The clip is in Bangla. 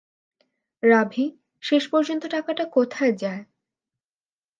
রাভি, শেষ পর্যন্ত টাকাটা কোথায় যায়?